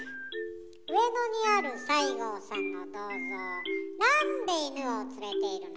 上野にある西郷さんの銅像なんで犬を連れているの？